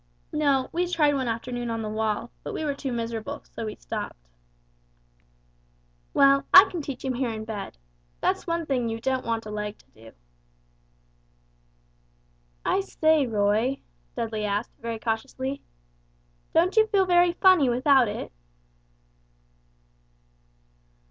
"No, we tried one afternoon on the wall, but we were too miserable, so we stopped." "Well, I can teach him here in bed. That's one thing you don't want a leg to do!" "I say, Roy," Dudley asked, very cautiously; "don't you feel very funny without it?"